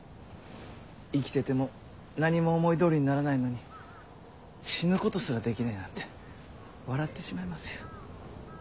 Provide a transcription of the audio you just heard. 生きてても何も思いどおりにならないのに死ぬことすらできないなんて笑ってしまいますよ。